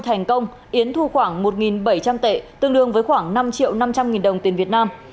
thành công yến thu khoảng một bảy trăm linh tệ tương đương với khoảng năm triệu năm trăm linh nghìn đồng tiền việt nam